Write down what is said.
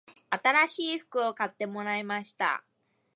新しい服を買ってもらいました